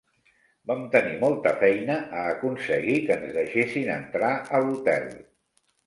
Vam tenir molta feina a aconseguir que ens deixessin entrar a l'hotel